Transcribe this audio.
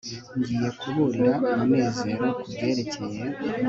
ngiye kuburira munezero kubyerekeye